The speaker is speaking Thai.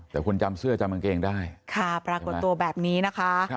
แต่คนจำเสื้อจำกางเกงได้ค่ะปรากฏตัวแบบนี้นะคะ